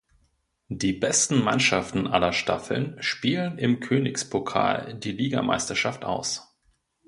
Die besten Mannschaften aller Staffeln spielen im Königspokal die Ligameisterschaft aus.